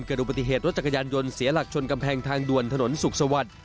อุบัติเหตุรถจักรยานยนต์เสียหลักชนกำแพงทางด่วนถนนสุขสวัสดิ์